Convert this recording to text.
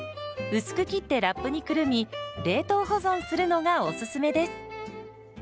薄く切ってラップにくるみ冷凍保存するのがおすすめです。